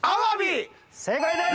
正解です！